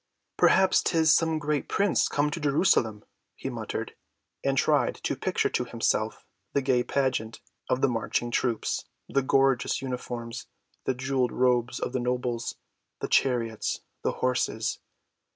"Perhaps 'tis some great prince come to Jerusalem," he muttered, and tried to picture to himself the gay pageant of the marching troops, the gorgeous uniforms, the jeweled robes of the nobles, the chariots, the horses.